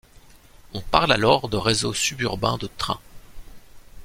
On parle alors de réseau sub-urbain de train.